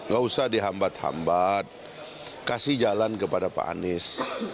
gak usah dihambat hambat kasih jalan kepada pak anies